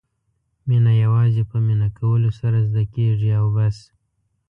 مینه یوازې په مینه کولو سره زده کېږي او بس.